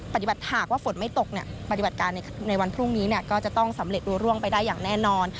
หากว่าฝนไม่ตกปฏิบัติการในวันพรุ่งนี้ก็จะต้องสำเร็จรู้ร่วงไปได้อย่างแน่นอน